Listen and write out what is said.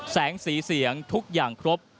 แสงสีเสียงทุกอย่างครบ